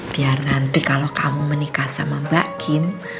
biar nanti kalo kamu menikah sama mbak kim